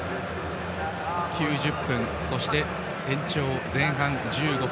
９０分、そして延長前半１５分